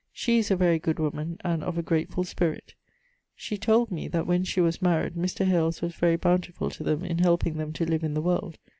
She is a very good woman and of a gratefull spirit. She told me that when she was maried, Mr. Hales was very bountifull to them in helping them to live in the world.